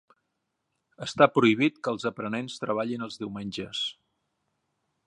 Està prohibit que els aprenents treballin els diumenges.